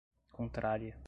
contrária